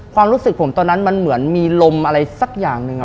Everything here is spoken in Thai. ความรู้สึกผมตอนนั้นมันเหมือนมีลมอะไรสักอย่างหนึ่ง